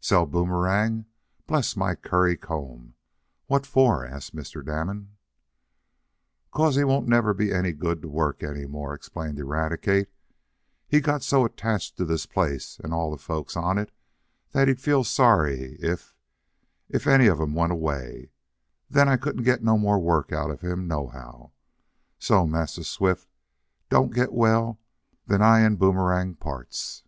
"Sell Boomerang! Bless my curry comb! what for?" asked Mr. Damon. "'Case as how he wouldn't neber be any good fo' wuk any mo'," explained Eradicate. "He's got so attached t' dis place, an' all de folkes on it, dat he'd feel so sorry ef ef well, ef any ob 'em went away, dat I couldn't git no mo' wuk out ob him, no how. So ef Massa Swift doan't git well, den I an' Boomerang parts!"